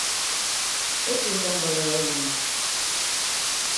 Ez dut ondo lo egin